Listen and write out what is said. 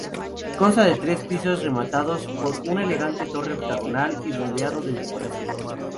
Consta de tres pisos rematados por una elegante torre octogonal y rodeado de decoraciones.